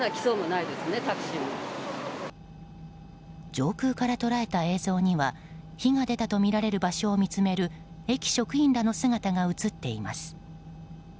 上空から捉えた映像には火が出たとみられる場所を見つめる駅職員らの姿が映っています。